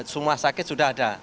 semua sakit sudah ada